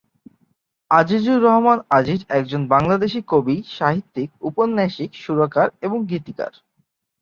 আজিজুর রহমান আজিজ একজন বাংলাদেশী কবি, সাহিত্যিক, উপন্যাসিক, সুরকার, এবং গীতিকার।